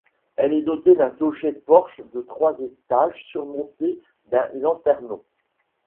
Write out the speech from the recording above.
Elle est dotée d'un clocher-porche de trois étages surmonté d'un lanternon.